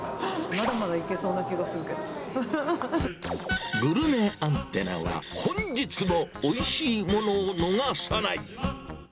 まだまだいけそうな気グルメアンテナは本日もおいしいものを逃さない。